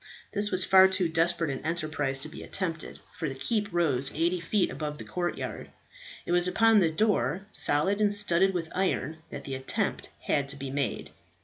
This was far too desperate an enterprise to be attempted, for the keep rose eighty feet above the courtyard. It was upon the door, solid and studded with iron, that the attempt had to be made.